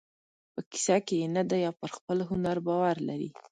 په کیسه کې یې نه دی او پر خپل هنر باور لري.